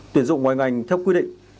tuyển dụng ngoài ngành theo quy định